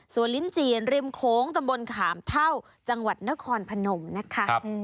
ส่วนลิ้นจีนริมโค้งตำบลขามเท่าจังหวัดนครพนมนะคะ